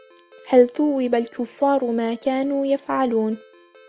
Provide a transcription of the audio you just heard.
هَلْ ثُوِّبَ الْكُفَّارُ مَا كَانُوا يَفْعَلُونَ